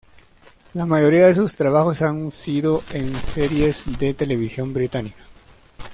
La mayoría de sus trabajos han sido en series de televisión británica.